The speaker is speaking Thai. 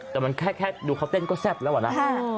แต่มันแค่ดูเขาเต้นก็แซ่บแล้วอะนะ